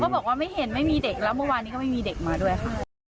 บอกว่าไม่เห็นไม่มีเด็กแล้วเมื่อวานนี้ก็ไม่มีเด็กมาด้วยค่ะ